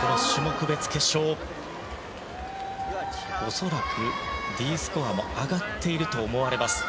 この種目別決勝、恐らくＤスコアも上がっていると思われます。